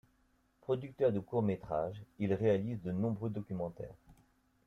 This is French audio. Producteur de courts-métrages, il réalise de nombreux documentaires.